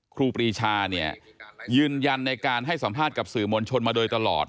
ครูปรีชาเนี่ยยืนยันในการให้สัมภาษณ์กับสื่อมวลชนมาโดยตลอด